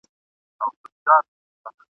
تور به خلوت وي د ریاکارو !.